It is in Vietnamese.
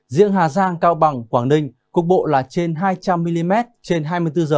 riêng hà giang cao bằng quảng ninh cục bộ là trên hai trăm linh mm trên hai mươi bốn h